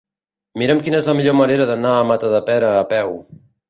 Mira'm quina és la millor manera d'anar a Matadepera a peu.